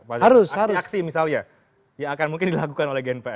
aksi aksi misalnya yang akan mungkin dilakukan oleh gnpr